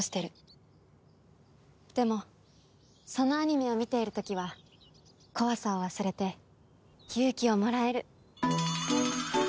でもそのアニメを見ている時は怖さを忘れて勇気をもらえる。